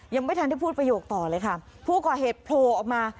ยังไม่ทันได้พูดประโยคต่อเลยค่ะผู้ก่อเหตุโผล่ออกมา